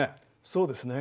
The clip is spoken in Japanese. そうですね。